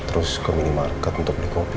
terus ke minimarket untuk beli kopi